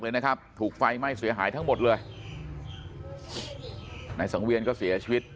เลยนะครับถูกไฟไหม้เสียหายทั้งหมดเลยนายสังเวียนก็เสียชีวิต